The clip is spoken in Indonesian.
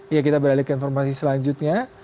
ya kita beralih ke informasi selanjutnya